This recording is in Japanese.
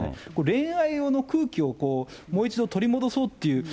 恋愛用の空気をもう一度取り戻そうっていう。